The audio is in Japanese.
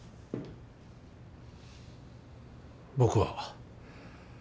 僕は。